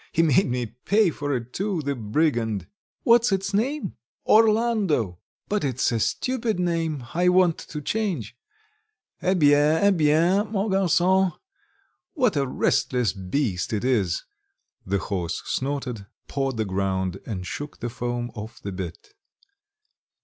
He made me pay for it too, the brigand!" "What's its name?" "Orlando.... But it's a stupid name; I want to change.... Eh bien, eh bien, mon garçon.... What a restless beast it is!" The horse snorted, pawed the ground, and shook the foam off the bit.